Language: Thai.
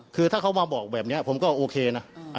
คือถ้าเขามาบอกแบบนี้ผมก็โอเคนะ